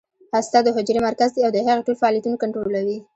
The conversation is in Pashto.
هسته د حجرې مرکز دی او د هغې ټول فعالیتونه کنټرولوي